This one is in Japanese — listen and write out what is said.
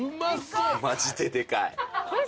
マジででかい。